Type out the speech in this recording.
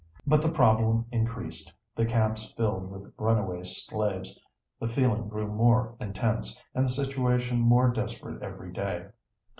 But the problem increased, the camps filled with runaway slaves, the feeling grew more intense, and the situation more desperate every day.